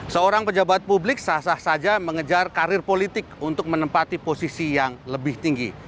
seorang pejabat publik sah sah saja mengejar karir politik untuk menempati posisi yang lebih tinggi